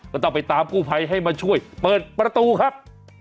ก็ต้องไปตามกู้ภัยให้มาช่วยเปิดประตูครับ